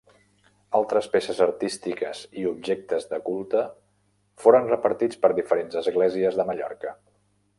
Altres peces artístiques i objectes de culte foren repartits per diferents esglésies de Mallorca.